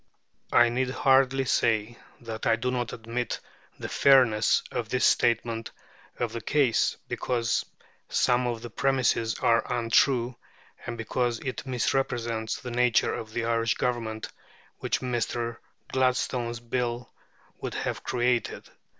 I need hardly say that I do not admit the fairness of this statement of the case, because some of the premises are untrue, and because it misrepresents the nature of the Irish Government which Mr. Gladstone's Bill would have created.